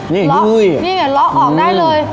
นี่เนี่ยล็อกออกได้เลย